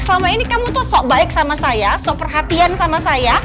selama ini kamu tuh sok baik sama saya sop perhatian sama saya